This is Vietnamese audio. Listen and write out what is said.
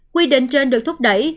quy định trên được thúc đẩy